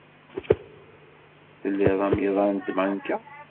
Tlid amiḍan n tbanka?